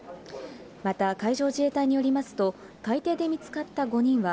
また海上自衛隊によりますと、海底で見つかった５人は、